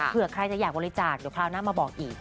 เผื่อใครจะอยากบริจาคเดี๋ยวคราวหน้ามาบอกอีก